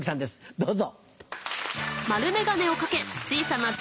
どうぞ。